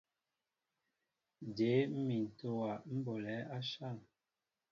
Jě mmin ntówa ḿ bolɛέ áshȃn ?